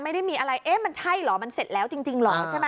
ไม่ได้มีอะไรเอ๊ะมันใช่เหรอมันเสร็จแล้วจริงเหรอใช่ไหม